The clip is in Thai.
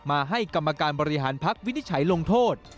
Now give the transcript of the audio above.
มาให้กรรมการบริหารพักวินิจฉัยลงโทษ